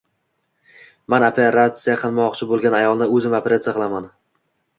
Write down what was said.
Men operasiya qilmoqchi bo`lgan ayolni O`zim operasiya qilaman